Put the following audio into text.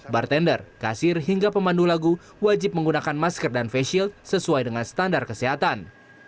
bartender kasir hingga pemandu lagu wajib menggunakan masker dan face shield sesuai dengan standar kesehatan